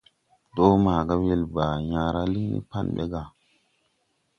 Dɔɔ maaga wel Baa yãã raa liŋ ni Pan ɓɛ ga.